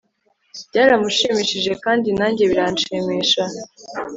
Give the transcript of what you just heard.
byaramushimishije kandi nanjye biranshimisha